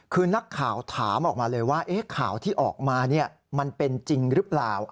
คือนักข่าวถามออกมาเลยว่าข่าวที่ออกมามันเป็นจริงหรือเปล่า